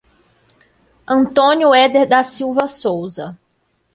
Antônio Ueder da Silva Souza